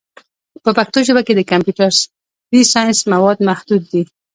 په پښتو ژبه د کمپیوټري ساینس مواد محدود دي.